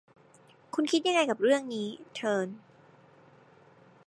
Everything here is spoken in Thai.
คุณคิดยังไงกับเรื่องนี้ เทิร์น